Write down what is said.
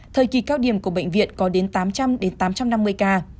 thời kỳ cao điểm của bệnh viện có đến tám trăm linh tám trăm năm mươi ca